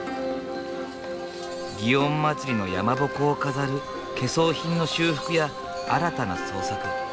園祭の山ぼこを飾る懸装品の修復や新たな創作。